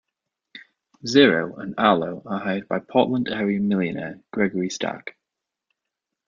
Zero and Arlo are hired by Portland area millionaire Gregory Stark.